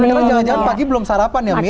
jalan jalan pagi belum sarapan ya mit